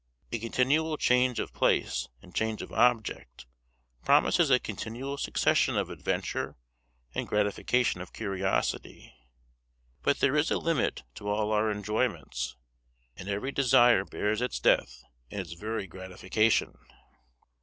A continual change of place, and change of object, promises a continual succession of adventure and gratification of curiosity. But there is a limit to all our enjoyments, and every desire bears its death in its very gratification.